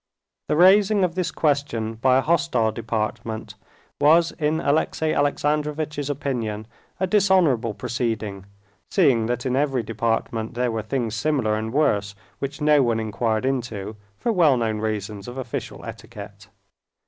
The raising of this question by a hostile department was in Alexey Alexandrovitch's opinion a dishonorable proceeding, seeing that in every department there were things similar and worse, which no one inquired into, for well known reasons of official etiquette.